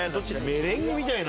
メレンゲみたいな。